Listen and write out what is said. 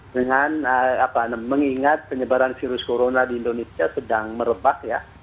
dengan mengingat penyebaran virus corona di indonesia sedang merebak ya